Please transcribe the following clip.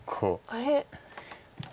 あれ？